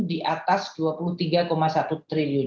di atas rp dua puluh tiga satu triliun